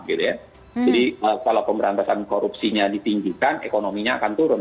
jadi kalau pemberantasan korupsinya ditinggikan ekonominya akan turun